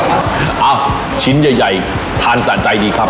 เอ้าชิ้นใหญ่ทานสะใจดีครับ